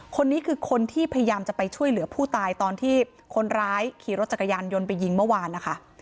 คนนี้คือคนที่พยายามจะไปช่วยเหลือผู้ตายตอนที่คนร้ายขี่รถจักรยานยนต์ไปยิงเมื่อวานนะคะ